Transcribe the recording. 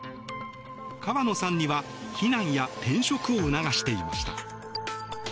川野さんには避難や転職を促していました。